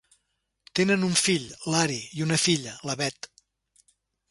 Tenen un fill, l'Ari, i una filla, la Beth.